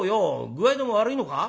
具合でも悪いのか？」。